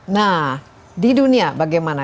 nah di dunia bagaimana